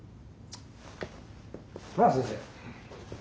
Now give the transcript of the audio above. なあ先生。